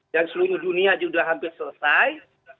dan seluruh dunia sudah hampir selesai